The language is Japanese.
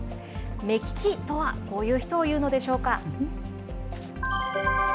目利きとはこういう人を言うのでしょうか。